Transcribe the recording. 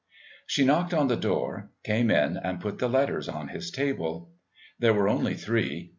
She knocked on the door, came in and put the letters on his table. There were only three.